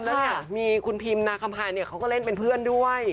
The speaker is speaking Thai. แล้วเนี่ยมีคุณพิมนาคำพายเนี่ยเขาก็เล่นเป็นเพื่อนด้วย